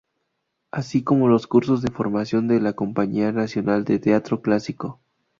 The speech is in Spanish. Así como los cursos de formación de la Compañía Nacional de Teatro Clásico.